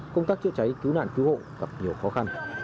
công tác chữa cháy cứu nạn cứu hộ gặp nhiều khó khăn